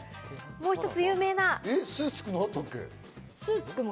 もう一つ有名な。